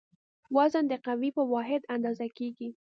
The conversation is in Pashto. وزن د قوې په واحد اندازه کېږي.